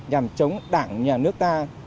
nhằm chống đảng nhà nước ta